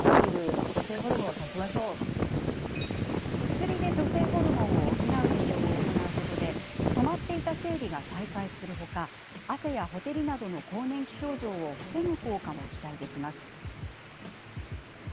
薬で女性ホルモンを補う治療を行うことで止まっていた生理が再開する他汗や、ほてりなどの更年期症状を防ぐ効果も期待できます。